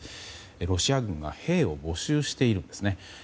ロシア軍が兵を募集しているんですね。